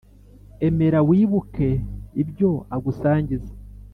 emera wibuke ibyo agusangiza